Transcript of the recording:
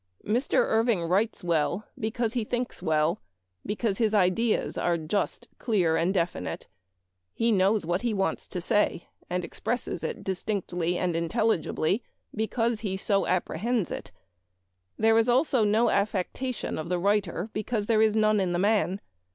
Mr. Irving writes well be cause he thinks well ; because his ideas are just, clear, and definite. He knows what he wants to say, and expresses it distinctly and intelligibly because he so apprehends it. There is also no affectation of the writer, because there is none in the man.